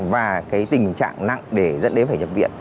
và cái tình trạng nặng để dẫn đến phải nhập viện